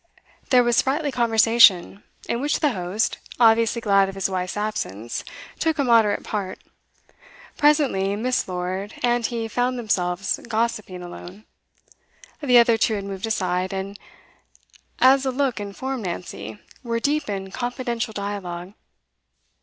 There was sprightly conversation, in which the host, obviously glad of his wife's absence, took a moderate part. Presently, Miss. Lord and he found themselves gossiping alone; the other two had moved aside, and, as a look informed Nancy, were deep in confidential dialogue.